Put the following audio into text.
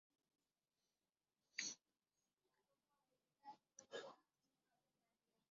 একাধারে তিনি ছিলেন তুখোড় নায়ক, চলচ্চিত্র নির্মাতা ও চলচ্চিত্র পরিচালক।